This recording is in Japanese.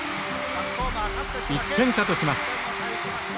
１点差とします。